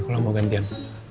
ini aku mau gantian